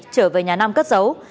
trở về nhà nam cất giấu